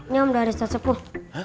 nih udah ada sesepuh